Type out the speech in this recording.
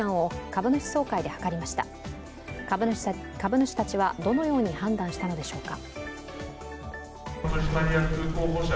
株主たちはどのように判断したのでしょうか。